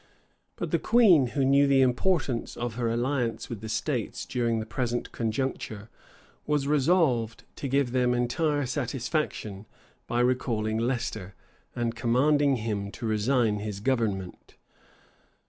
[*] But the queen, who knew the importance of her alliance with the states during the present conjuncture, was resolved to give them entire satisfaction, by recalling Leicester, and commanding him to resign his government.